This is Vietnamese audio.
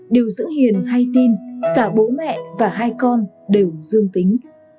điều dưỡng hiền hay tin cả bố mẹ và hai con đều dương tính